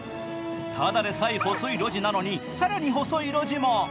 ただでさえ細い路地なのに更に細い路地も。